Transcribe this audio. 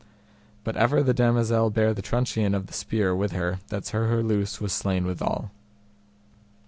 But ever the damosel bare the truncheon of the spear with her that Sir Herlews was slain withal.